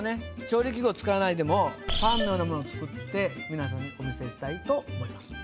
調理器具を使わないでもパンのようなものを作って皆さんにお見せしたいと思います。